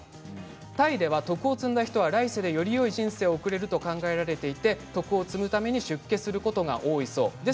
タイでは徳を積んだ人は来世でよりよい人生を送れると考えられていて徳を積むために出家することが多いそうです。